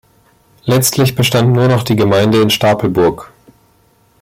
Letztlich bestand nur noch die Gemeinde in Stapelburg.